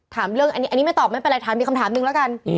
ถามเรื่องอันนี้ไม่ตอบไม่เป็นไรถามอีกคำถามหนึ่งแล้วกัน